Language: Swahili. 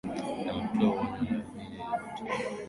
ametoa onyo kwa baadhi ya watia nia wa ubunge wa viti maalum